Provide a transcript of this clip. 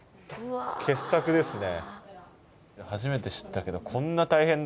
傑作ですね。